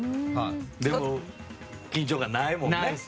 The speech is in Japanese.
でも緊張感はないもんね。